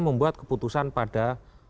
membuat keputusan pada